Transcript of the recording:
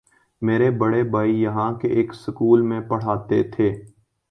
میرے بڑے بھائی یہاں کے ایک سکول میں پڑھاتے تھے۔